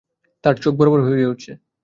তার চোখ বড়-বড় হয়ে উঠছে।